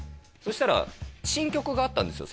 したら新曲があったんですよ